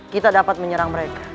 kita dapat menyerang mereka